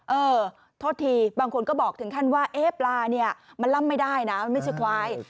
เออโทษทีบางคนก็บอกถึงขั้นว่าเอ๊ะปลาเนี่ยมันล่ำไม่ได้นะมันไม่ใช่ควาย